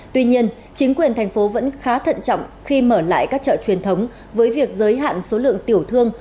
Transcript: tuy nhiên chính quyền thành phố vẫn khá thận trọng khi mở lại các chợ truyền thống với việc giới hạn số lượng tiểu thương